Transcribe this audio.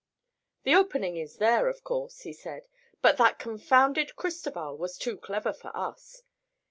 "The opening is there, of course," he said, "but that confounded Cristoval was too clever for us.